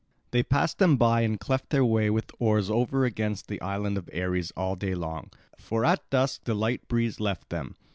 They passed them by and cleft their way with oars over against the island of Ares all day long; for at dusk the light breeze left them.